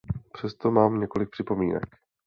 Přesto mám několik připomínek.